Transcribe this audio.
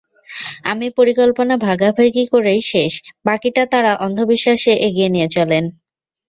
আমি পরিকল্পনা ভাগাভাগি করেই শেষ, বাকিটা তাঁরা অন্ধবিশ্বাসে এগিয়ে নিয়ে চলেন।